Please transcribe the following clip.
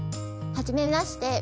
はじめまして。